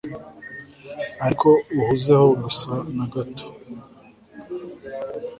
ariko uhuze gusa na gato